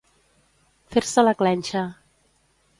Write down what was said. Fer-se la clenxa.